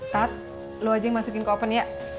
tat lo aja yang masukin ke open ya